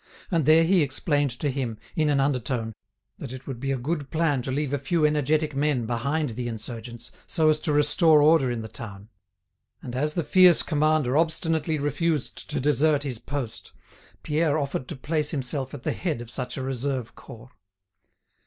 And there he explained to him, in an undertone, that it would be a good plan to leave a few energetic men behind the insurgents, so as to restore order in the town. And as the fierce commander obstinately refused to desert his post, Pierre offered to place himself at the head of such a reserve corps.